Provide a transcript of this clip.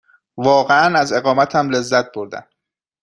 واقعاً از اقامتم لذت بردم.